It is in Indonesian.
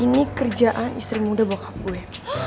ini kerjaan istri muda bokap gue